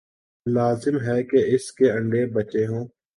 لازم ہے کہ اس کے انڈے بچے ہوں۔